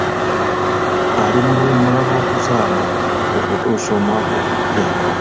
Ali mu luwummula lw'okuzaala okutuusa omwaka ogujja.